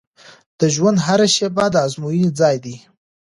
د ژوند هره شیبه د ازموینې ځای دی.